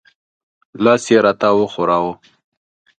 لاس یې را ته وښوراوه.